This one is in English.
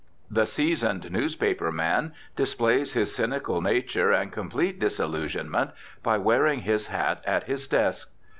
The seasoned newspaper man displays his cynical nature and complete disillusionment by wearing his hat at his desk.